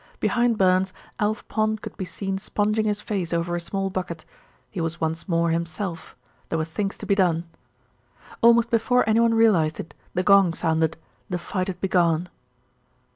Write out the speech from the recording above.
Behind Burns, Alf Pond could be seen sponging his face over a small bucket. He was once more himself. There were things to be done. Almost before anyone realised it the gong sounded; the fight had begun.